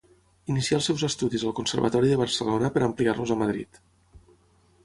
Inicià els seus estudis al Conservatori de Barcelona per ampliar-los a Madrid.